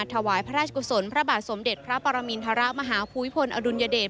ถวายพระราชกุศลพระบาทสมเด็จพระปรมินทรมาฮภูมิพลอดุลยเดช